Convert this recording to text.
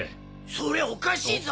それおかしいぞ！